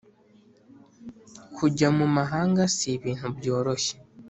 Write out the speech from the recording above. kujya mumahanga si ibintu byoroshye